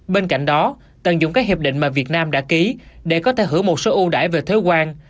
bên cạnh đó tận dụng các hiệp định mà việt nam đã ký để có thể hữu một số ưu đãi về thế quan